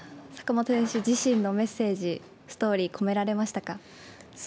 坂本選手自身のメッセージストーリー